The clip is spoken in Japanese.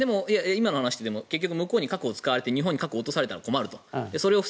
今の話で結局、核を使われて日本に核を落とされては困ると。